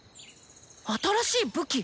新しい武器？